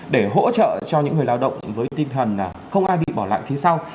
để hỗ trợ cho những người lao động với tinh thần không ai bị bỏ lại phía sau